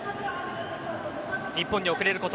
日本に遅れること